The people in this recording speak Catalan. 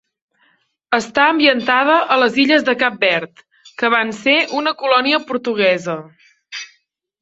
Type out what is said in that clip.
Està ambientada a les Illes de Cap Verd, que van ser una colònia portuguesa.